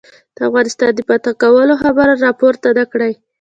د افغانستان د فتح کولو خبره را پورته نه کړي.